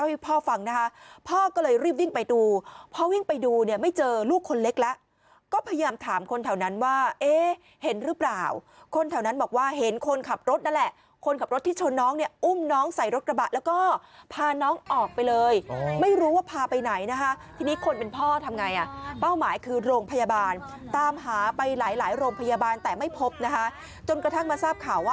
หวัดขาหวัดขาว้าว